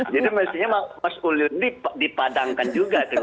jadi maksudnya mas ulil dipadangkan juga